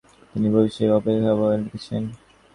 তিনি বেশকিছু উল্লেখযোগ্য বই লিখেছেন।